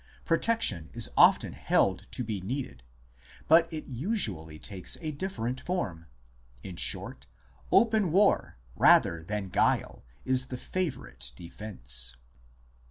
Protection is often held to be needed ; but it usually takes a different form. ... In short, open war rather than guile is the favourite defence.